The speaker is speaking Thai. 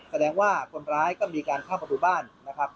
แสดงว่าคนร้ายก็มีการเข้าประตูบ้านนะครับ